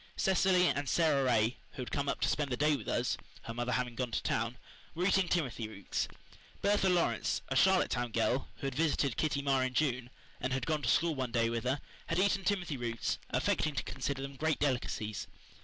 Cecily and Sara Ray, who had come up to spend the day with us her mother having gone to town were eating timothy roots. Bertha Lawrence, a Charlottetown girl, who had visited Kitty Marr in June, and had gone to school one day with her, had eaten timothy roots, affecting to consider them great delicacies.